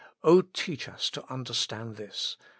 O teach us to understand this.